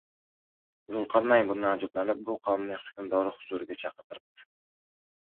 Zulqarnayn bundan ajablanib, bu qavmning hukmdorini huzuriga chaqirtiribdi.